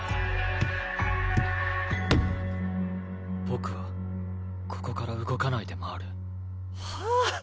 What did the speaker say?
僕はここから動かないで回る。はあ？